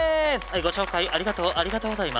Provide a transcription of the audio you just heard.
ご紹介ありがとうありがとうございます。